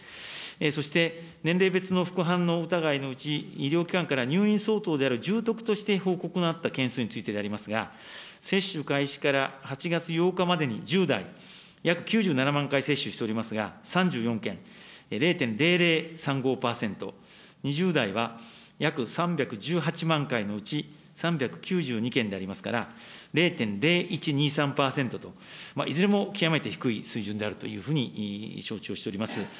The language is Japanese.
そして、年齢別の副反応疑いのうち、医療機関から入院相当である重篤として報告があった件数についてでありますが、接種開始から８月８日までに１０代約９７万回、接種しておりますが、３４件、０．００３５％、２０代は約３１８万回のうち３９２件でありますから、０．０１２３％と、いずれも極めて低い水準であるというふうに承知をしております。